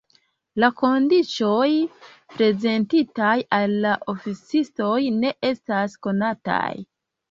La kondiĉoj prezentitaj al la oficistoj ne estas konataj.